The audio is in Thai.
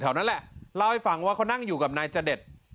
นั่นแหละเล่าให้ฟังว่าเขานั่งอยู่กับนายจเดช